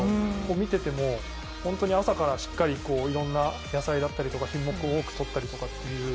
見ていても、本当に朝からしっかりいろんな野菜だったりとか品目多くとったりとかという。